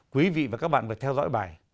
quý vị và các bạn phải theo dõi bài